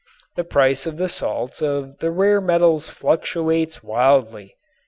The price of the salts of the rare metals fluctuates wildly.